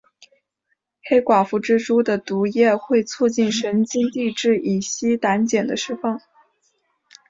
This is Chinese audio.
黑寡妇蜘蛛的毒液会促进神经递质乙酰胆碱的释放。